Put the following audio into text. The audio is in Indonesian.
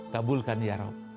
kabulkan ya rab